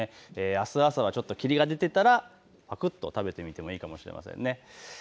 あす朝はちょっと霧が出ていたらぱくっと食べてみてもいいかもしれませんね。